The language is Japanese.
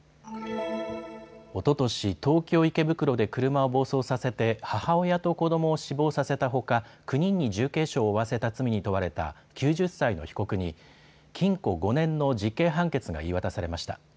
おととし、東京池袋で車を暴走させて母親と子どもを死亡させたほか９人に重軽傷を負わせた罪に問われた９０歳の被告に禁錮５年の実刑判決が言い渡されました。